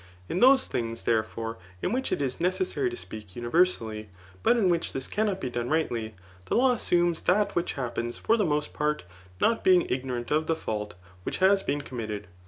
In those things, therefore, in which it is ne cessary to speak universally, but in which this cannot be done rightly, the law assumes that which happens for the « most part, not being ignorant of the fault which has been committed.